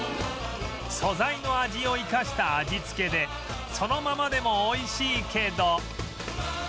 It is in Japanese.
素材の味を生かした味付けでそのままでも美味しいけど